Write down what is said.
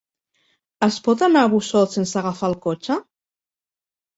Es pot anar a Busot sense agafar el cotxe?